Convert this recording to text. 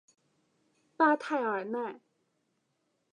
巴泰尔奈。